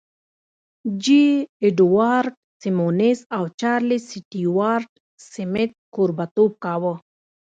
جې اډوارډ سیمونز او چارلیس سټیوارټ سمیت کوربهتوب کاوه